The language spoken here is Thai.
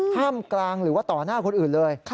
ท่ามกลางหรือว่าต่อหน้าคนอื่นเลย